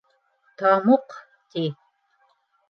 Тамуҡ, ти.